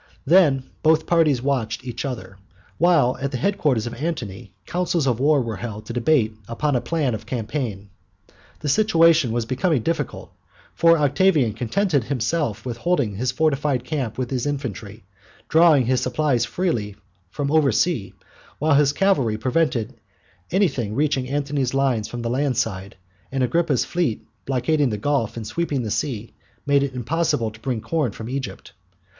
Then both parties watched each other, while at the head quarters of Antony councils of war were held to debate upon a plan of campaign. The situation was becoming difficult. For Octavian contented himself with holding his fortified camp with his infantry, drawing his supplies freely from over sea, while his cavalry prevented anything reaching Antony's lines from the land side, and Agrippa's fleet blockading the Gulf and sweeping the sea, made it impossible to bring corn from Egypt.